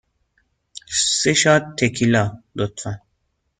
سه شات تکیلا، لطفاً.